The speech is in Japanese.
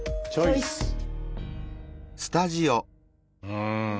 うん。